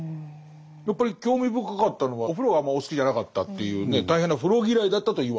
やっぱり興味深かったのはお風呂があんまりお好きじゃなかったというね大変な風呂嫌いだったと言われると。